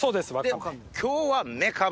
で今日はメカブ。